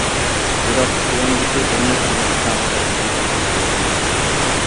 بىراق تۆۋەندىكى بىر نەچچە نۇقتىغا قەتئىي دىققەت قىلىش كېرەك.